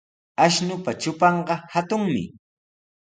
Ashnupa trupanqa hatunmi.